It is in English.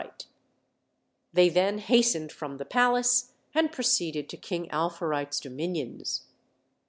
They then hastened from the palace, and proceeded to King Alfourite's dominions.